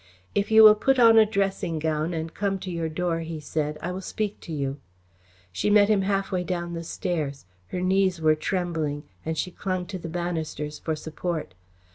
"If you will put on a dressing gown and come to your door," he said, "I will speak to you." She met him halfway down the stairs. Her knees were trembling, and she clung to the banisters for support.